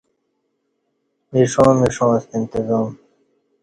ایݜاں مݜاں ستہ انتظام